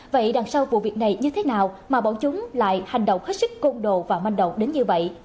vậy đằng sau vụ việc này như thế nào mà bọn chúng lại hành động hết sức côn đồ và manh động đến như vậy